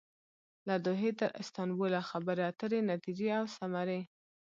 له دوحې تر استانبوله خبرې اترې ،نتیجې او ثمرې